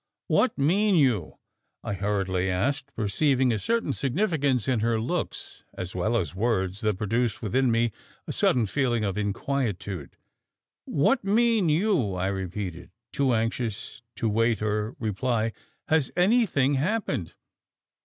What mean you?" I hurriedly asked, perceiving a certain significance in her looks, as well as words, that produced within me a sudden feeling of inquietude. "What mean you?" I repeated, too anxious to wait her reply; "has anything happened?"